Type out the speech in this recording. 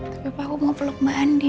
tapi apa aku mau peluk mbak andin ya